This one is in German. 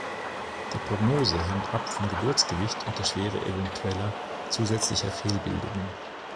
Die Prognose hängt ab vom Geburtsgewicht und der Schwere eventueller zusätzlicher Fehlbildungen.